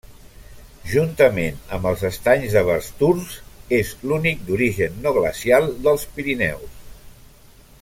Juntament amb els estanys de Basturs és l'únic d'origen no glacial dels Pirineus.